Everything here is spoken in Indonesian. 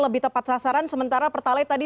lebih tepat sasaran sementara pertalite tadi